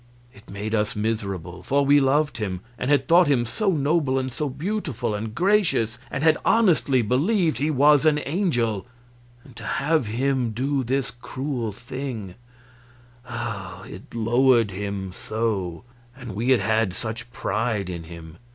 It made us miserable, for we loved him, and had thought him so noble and so beautiful and gracious, and had honestly believed he was an angel; and to have him do this cruel thing ah, it lowered him so, and we had had such pride in him.